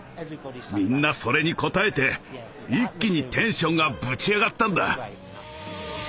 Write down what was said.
みんなそれに応えて一気にテンションがブチ上がったんだ！